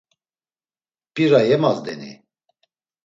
P̌ira yemazdeni?